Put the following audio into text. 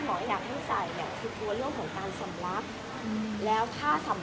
หรือจะให้คุณแม่ใส่กันเลยไหม